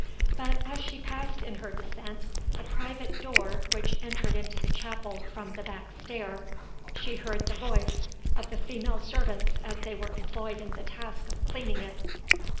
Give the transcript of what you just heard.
But as she passed in her descent a private door which entered into the chapel from the back stair, she heard the voice of the female servants as they were employed in the task of cleaning it.